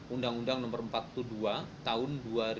undang undang no empat puluh dua tahun dua ribu dua